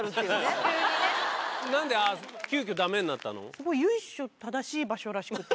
スゴい由緒正しい場所らしくて。